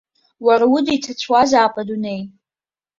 Уара уда иҭацәуазаап адунеи!